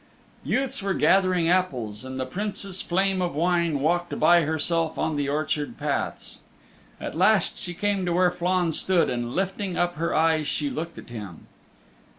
Youths were gathering apples, and the Princess Flame of Wine walked by herself on the orchard paths. At last she came to where Flann stood and lifting her eyes she looked at him.